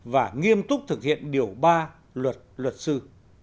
và nghiêm túc thực hiện điều ba luật luật sư